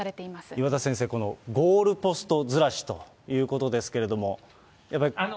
岩田先生、このゴールポストずらしということですけれども、やっぱり。